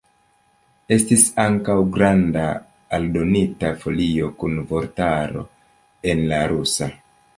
Estis ankaŭ granda aldonita folio kun vortaro en la rusa.